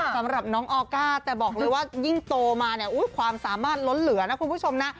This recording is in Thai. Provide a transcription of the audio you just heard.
สำหรับน้องออก้าแต่บอกเลยว่ายิ่งโตมาเนี่ยความสามารถล้นเหลือนะคุณผู้ชมนะ